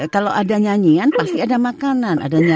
kalau ada nyanyian pasti ada makanan